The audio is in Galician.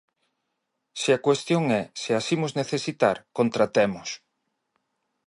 Se a cuestión é: se as imos necesitar, contratemos.